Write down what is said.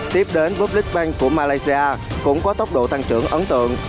tiếp đến bolit bank của malaysia cũng có tốc độ tăng trưởng ấn tượng